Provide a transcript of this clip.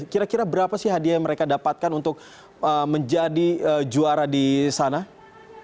kira kira berapa sih hadiah yang mereka dapatkan untuk menjadi juara di sana